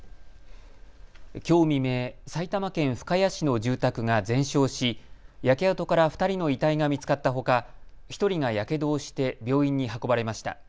きょう未明、埼玉県深谷市の住宅が全焼し焼け跡から２人の遺体が見つかったほか１人がやけどをして病院に運ばれました。